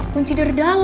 kita sudah berubah parah